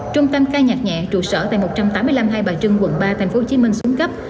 trung tâm ca nhạc nhẹ trụ sở tại một trăm tám mươi năm hai bà trưng quận ba tp hcm xuống cấp